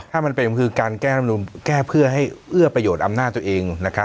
ถ้ามันเป็นคือการแก้รำนูนแก้เพื่อให้เอื้อประโยชน์อำนาจตัวเอง